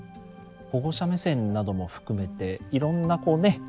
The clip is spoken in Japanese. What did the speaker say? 保護者目線なども含めていろんなこうね